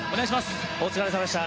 お疲れさまでした。